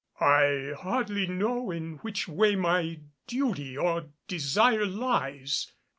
"I hardly know in which way my duty or desire lies.